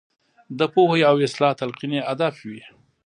د پوهې او اصلاح تلقین یې هدف وي.